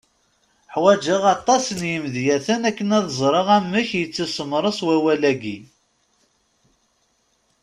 Ḥwejeɣ aṭas n yimedyaten akken ad ẓreɣ amek yettwasemres wawal-agi.